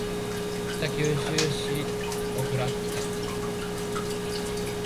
北九州市小倉北区